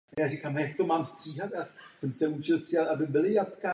Dalších devět lokomotiv přešlo po odtržení Slovenska pod Slovenské železnice.